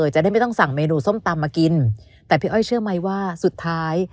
จะได้ไม่ต้องสั่งเมนูส้มตำมากินแต่พี่อ้อยเชื่อไหมว่าสุดท้าย